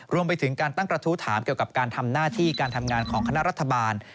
รวมไปถึงการตั้งกระทู้ถามเกี่ยวกับการทำหน้าที่การทำงานของคณะรัฐบาล